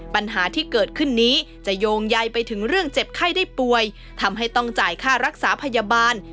ปัญหาที่เกิดขึ้นนี้จะโยงใยไปถึงเรื่องเจ็บไข้ได้ป่วยทำให้ต้องจ่ายค่ารักษาพยาบาล